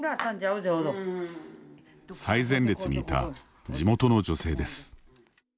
最前列にいた地元の女性です。